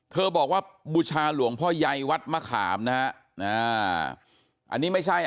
บอกว่าบูชาหลวงพ่อยัยวัดมะขามนะฮะอันนี้ไม่ใช่